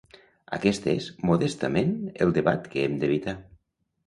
Aquest és, modestament, el debat que hem d'evitar.